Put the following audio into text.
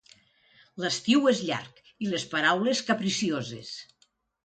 L'estiu és llarg i les paraules capricioses.